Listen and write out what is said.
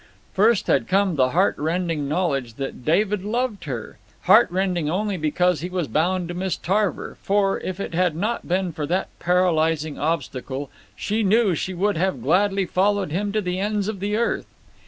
First had come the heart rending knowledge that David loved her; heart rending only because he was bound to Miss Tarver, for, if it had not been for that paralyzing obstacle, she knew she would have gladly followed him to the ends of the earth.